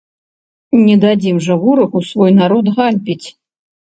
Не дадзім жа ворагу свой народ ганьбіць!